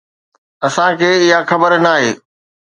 اسان کي اها خبر ناهي.